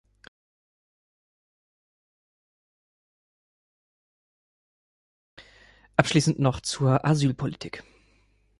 Abschließend noch zur Asylpolitik.